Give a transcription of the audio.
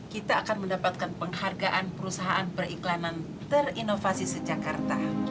kita akan mendapatkan penghargaan perusahaan periklanan terinovasi sejak karta